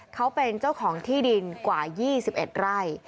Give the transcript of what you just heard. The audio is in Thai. เขาเป็นเจ้าของที่ดินกว่า๒๑ไร่